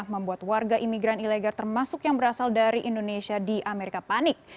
membuat warga imigran ilegal termasuk yang berasal dari indonesia di amerika panik